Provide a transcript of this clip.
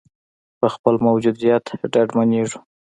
په خپل موجودیت ډاډمنېږو.